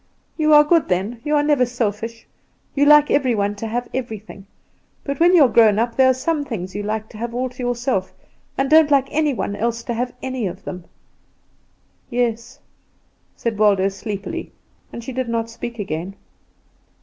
You are good then. You are never selfish; you like every one to have everything; but when you are grown up there are some things you like to have all to yourself, you don't like any one else to have any of them." "Yes," said Waldo sleepily, and she did not speak again.